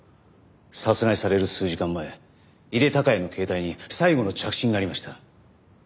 殺害される数時間前井手孝也の携帯に最後の着信がありました。